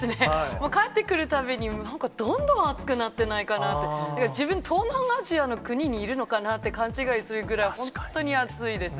もう帰ってくるたびに、なんかどんどん暑くなってないかなって、自分、東南アジアの国にいるのかなって勘違いするぐらい、本当に暑いです。